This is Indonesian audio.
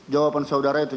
jawaban saudara itu